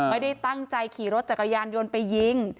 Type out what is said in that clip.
ไม่ได้ตั้งใจขี่รถจักรยานยนต์ไปยิง